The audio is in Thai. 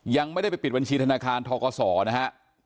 ยังไม่ได้ไปปิดบัญชีธนาคารทกศนะฮะ